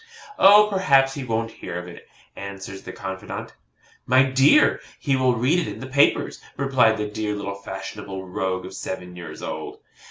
'Oh, perhaps he won't hear of it,' answers the confidante. 'MY DEAR, HE WILL READ IT IN THE PAPERS,' replied the dear little fashionable rogue of seven years old.